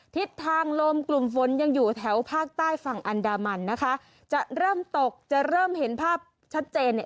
ทิศทางลมกลุ่มฝนยังอยู่แถวภาคใต้ฝั่งอันดามันนะคะจะเริ่มตกจะเริ่มเห็นภาพชัดเจนเนี่ย